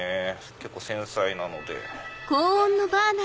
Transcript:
結構繊細なので。